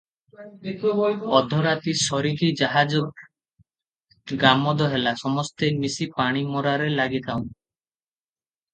ଅଧରାତି ସରିକି ଜାହାଜ ଗାମଦ ହେଲା, ସମସ୍ତେ ମିଶି ପାଣିମରାରେ ଲାଗିଥାଉଁ ।